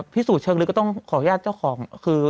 พิสูจน์เชิงลึกก็ต้องขออนุญาตเจ้าของคือ